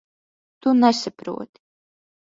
Tu nesaproti.